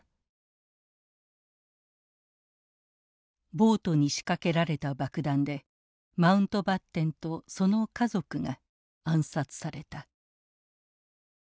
ボートに仕掛けられた爆弾でマウントバッテンとその家族が暗殺された。